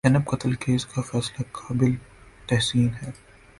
زینب قتل کیس کا فیصلہ قابل تحسین ہے